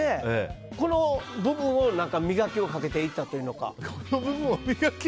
この部分を磨きをかけていったというのか。